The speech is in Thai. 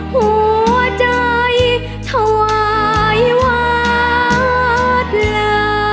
หัวใจถวายวาลา